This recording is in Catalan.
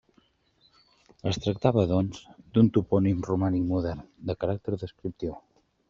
Es tractava, doncs, d'un topònim romànic modern, de caràcter descriptiu.